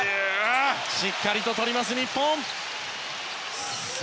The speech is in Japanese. しっかりと取ります、日本。